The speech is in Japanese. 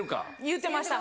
言うてました。